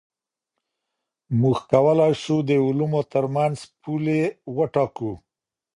موږ کولای سو د علومو ترمنځ پولي وټاکو.